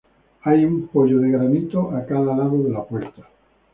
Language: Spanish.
Hay un poyo de granito a cada lado de la puerta.